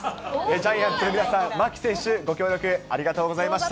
ジャイアンツの皆さん、牧選手、ご協力、ありがとうございました。